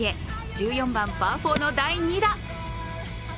１４番、パー４の第２打。